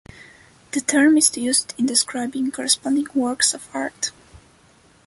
The term is used in describing corresponding works of art.